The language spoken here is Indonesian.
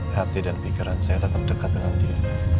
hati dan pikiran saya tetap dekat dengan dia